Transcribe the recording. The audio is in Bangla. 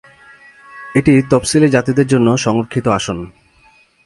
এটি তপসিলী জাতিদের জন্য সংরক্ষিত আসন।